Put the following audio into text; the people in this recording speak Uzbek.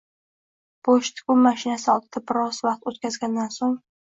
Bo‘sh tikuv mashinasi oldida biroz vaqt o‘tkazgandan so‘ng